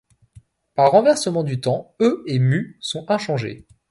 Par renversement du temps E et μ sont inchangés.